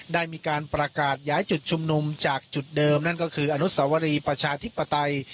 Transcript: ได้มีการประกาศย้ายจุดชุมนุมจากจุดเดิมนั่นก็คืออนุสวรีประชาธิปไตย